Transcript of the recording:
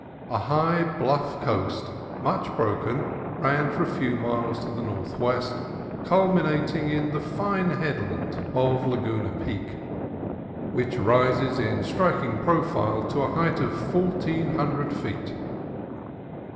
A high bluff coast, much broken, ran for a few miles to the north west, culminating in the fine headland of Laguna Peak, which rises in striking profile to a height of fourteen hundred feet.